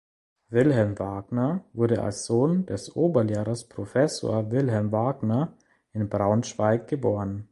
Wilhelm Wagner wurde als Sohn des Oberlehrers Professor Wilhelm Wagner in Braunschweig geboren.